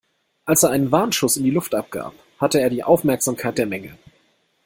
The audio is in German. Als er einen Warnschuss in die Luft abgab, hatte er die Aufmerksamkeit der Menge.